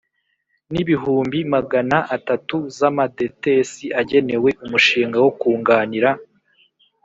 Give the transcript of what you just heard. N Ibihumbi Magana Atatu Z Amadetesi Agenewe Umushinga Wo Kunganira